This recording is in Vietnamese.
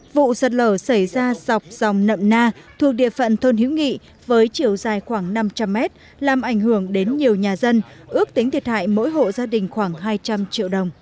vụ sạt lở xảy ra dọc dòng nậm na thuộc địa phận thôn hữu nghị với chiều dài khoảng năm trăm linh mét làm ảnh hưởng đến nhiều nhà dân ước tính thiệt hại mỗi hộ gia đình khoảng hai trăm linh triệu đồng